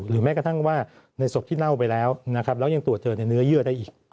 แม้กระทั่งว่าในศพที่เน่าไปแล้วนะครับแล้วยังตรวจเจอในเนื้อเยื่อได้อีก